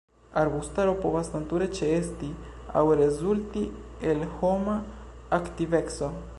Arbustaro povas nature ĉeesti aŭ rezulti el homa aktiveco.